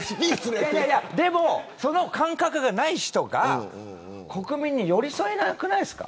でも、その感覚がない人が国民に寄り添えなくないですか。